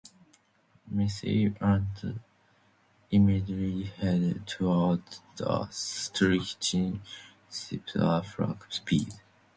"Massey" and immediately headed toward the stricken ship at flank speed.